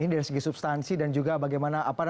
ini dari segi substansi dan juga bagaimana